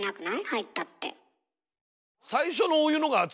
入ったって。